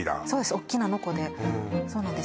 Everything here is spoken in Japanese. おっきなノコでそうなんです